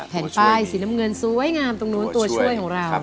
แผ่นป้ายสีน้ำเงินสวยงามตรงนู้นตัวช่วยของเรา